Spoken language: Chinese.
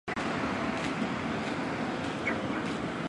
圣蒂尔。